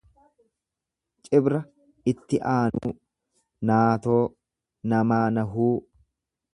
Cibra itti aanuu, naatoo, namaa nahuu.